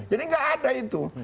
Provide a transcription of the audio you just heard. jadi nggak ada itu